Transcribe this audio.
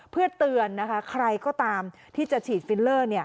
เพื่อเตือนนะคะใครก็ตามที่จะฉีดฟิลเลอร์